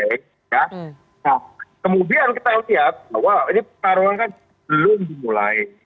nah kemudian kita lihat bahwa ini pertarungan kan belum dimulai